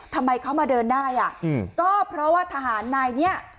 ทำไมเขามาเดินได้อ่ะก็เพราะว่าทหารนายเนี้ย